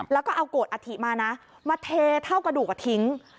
แล้วก็เอาโกรธอัฐิมานะมาเทเท่ากระดูกทิ้ง